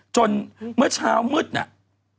จนเมื่อเช้ามืดเนี่ย